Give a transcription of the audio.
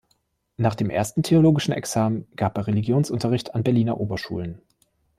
Nach dem ersten theologischen Examen gab er Religionsunterricht an Berliner Oberschulen.